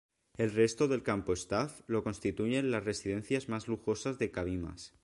El resto del campo Staff lo constituyen las residencias más lujosas de Cabimas.